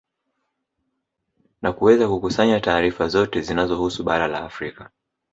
Na kuweza kukusanaya taarifa zote zinazohusu bara la Afrika